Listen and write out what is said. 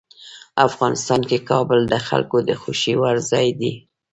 افغانستان کې کابل د خلکو د خوښې وړ ځای دی.